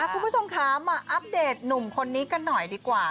คุณผู้ชมค่ะมาอัปเดตหนุ่มคนนี้กันหน่อยดีกว่า